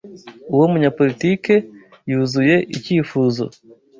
Uwo munyapolitike yuzuye icyifuzo.